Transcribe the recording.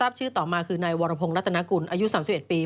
ซึ่งตอน๕โมง๔๕นะฮะทางหน่วยซิวได้มีการยุติการค้นหาที่